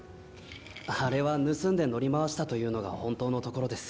あれは盗んで乗り回したというのが本当のところです。